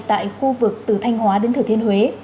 tại khu vực từ thanh hóa đến thừa thiên huế